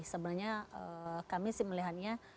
sebenarnya kami sih melihatnya